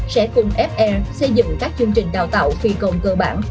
sẽ cùng f air xây dựng các chương trình đào tạo phi công cơ bản